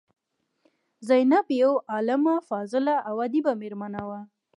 زینب یوه عالمه، فاضله او ادیبه میرمن وه.